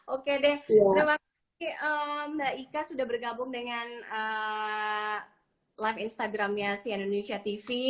oke deh terima kasih mbak ika sudah bergabung dengan live instagramnya si indonesia tv